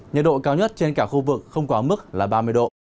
nhiệt độ cao nhất trên cả khu vực không quá mức là ba mươi độ